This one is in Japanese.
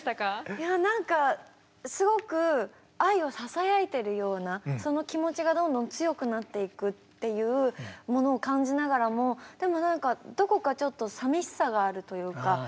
いやなんかすごく愛をささやいてるようなその気持ちがどんどん強くなっていくっていうものを感じながらもでもなんかあせつなさが。